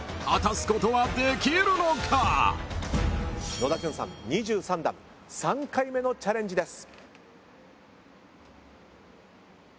野田潤さん２３段３回目のチャレンジです。